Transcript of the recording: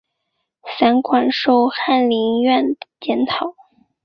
散馆授翰林院检讨。